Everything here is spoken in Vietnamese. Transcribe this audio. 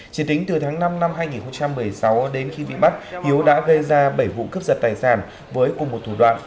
chỉ tính từ tháng năm năm hai nghìn một mươi sáu đến khi bị bắt hiếu đã gây ra bảy vụ cướp giật tài sản với cùng một thủ đoạn